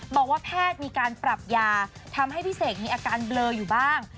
บอกว่าแพทย์มีการปรับยาทำให้พี่เสกมีอาการเบลออยู่บ้าง